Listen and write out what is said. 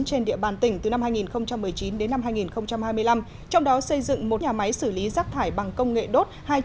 trên địa bàn tỉnh từ năm hai nghìn một mươi chín đến năm hai nghìn hai mươi năm trong đó xây dựng một nhà máy xử lý rác thải bằng công nghệ đốt